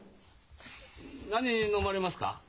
何飲まれますか？